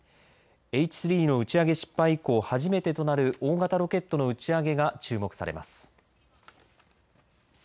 Ｈ３の打ち上げ失敗以降初めてとなる大型ロケットの打ち上げが注目されます。